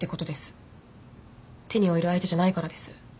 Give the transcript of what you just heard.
手に負える相手じゃないからです。